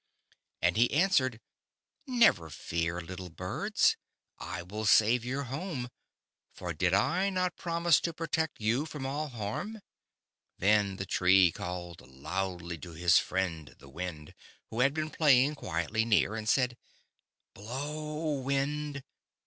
And he answered :" Never fear, little Birds, I will save your home, for did I not promise to pro tect you from all harm?" Then the Tree called loudly to his friend the Wind, who had been play ing quietly near, and said : "Blow, Wind."